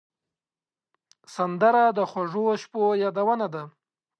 سندره د خوږو شپو یادونه ده